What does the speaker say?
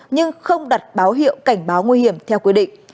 nhưng không đặt báo hiệu cảnh báo nguy hiểm theo quy định